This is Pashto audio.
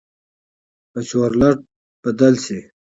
به چورلټ بدل شي.